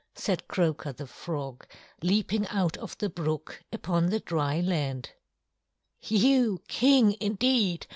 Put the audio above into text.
said Croaker the Frog, leaping out of the brook upon the dry land. "You King, indeed!"